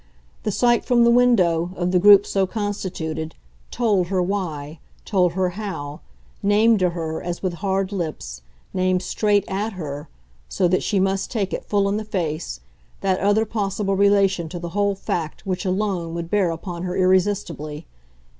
The sight, from the window, of the group so constituted, TOLD her why, told her how, named to her, as with hard lips, named straight AT her, so that she must take it full in the face, that other possible relation to the whole fact which alone would bear upon her irresistibly.